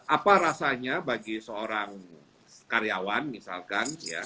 apa rasanya bagi seorang karyawan misalkan